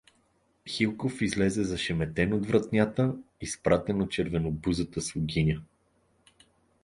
Хилков излезе зашеметен от вратнята, изпратен от червенобузата слугиня.